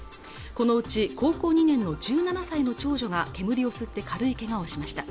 このうち高校２年の１７歳の長女が煙を吸って軽いけがをしました